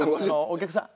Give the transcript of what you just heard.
お客さん